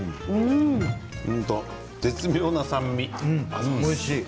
絶妙な酸味、おいしい。